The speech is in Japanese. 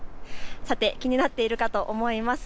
さて気になっているかと思います。